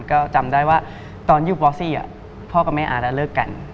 ก็จำได้ว่าตอนอยู่ป๔พ่อกับแม่อาจะเลิกกัน